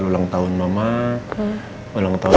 tuan cuma makasih